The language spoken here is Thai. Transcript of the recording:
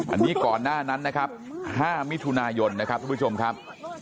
อันนี้ก่อนหน้านั้นนะครับ๕มิถุนายนนะครับทุกผู้ชมครับ